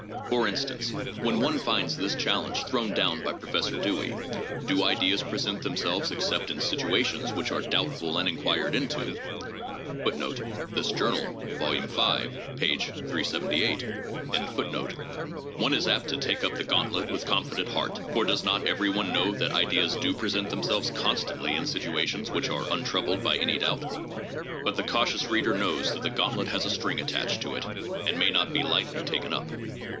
For instance, when one finds this challenge thrown down by Professor Dewey: "Do ideas present themselves except in situations which are doubtful and inquired into?" 1 one is apt to take up the gauntlet with confident heart, for does not every one know that ideas do present themselves constantly in situations which are un troubled by any doubt? But the cautious reader knows that the gauntlet has a string attached to it and may not be lightly taken up.